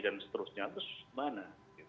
dan seterusnya terus mana